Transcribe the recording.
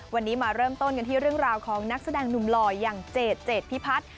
วันนี้มาเริ่มต้นกันที่เรื่องราวของนักแสดงหนุ่มหล่ออย่างเจดเจดพิพัฒน์